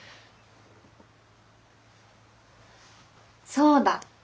そうだ！